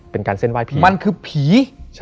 เป็นการเส้นไห้ผีมันคือผี